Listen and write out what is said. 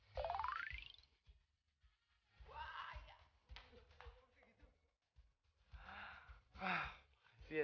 hai rem jahil ya